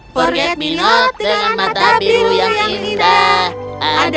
forget me not dengan mata biru yang indah